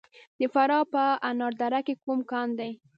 د فراه په انار دره کې کوم کان دی؟